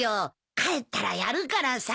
帰ったらやるからさ。